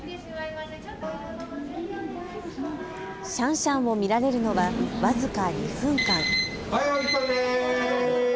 シャンシャンを見られるのは僅か２分間。